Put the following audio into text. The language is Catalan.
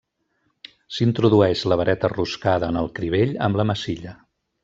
S'introdueix la vareta roscada en el crivell amb la massilla.